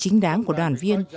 lợi ích đáng của đoàn viên